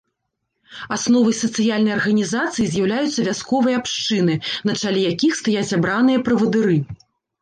Асновай сацыяльнай арганізацыі з'яўляюцца вясковыя абшчыны, на чале якіх стаяць абраныя правадыры.